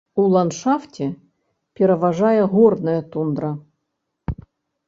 У ландшафце пераважае горная тундра.